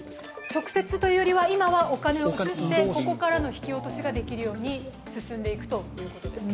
直接というよりは今はお金を移してここからの引き落としができるように進んでいくということです。